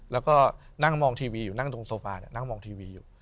แล้วก็นั่งมองทีวีอยู่นั่งตรงโซฟานั่งมองทีวีอยู่